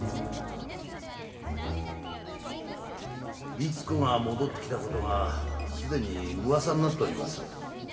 律子が戻ってきたことがすでに噂になっとります。